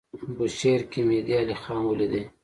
بوشهر کې مهدی علیخان ولیدی.